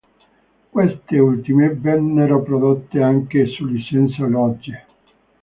Queste ultime vennero prodotte anche su licenza Lodge.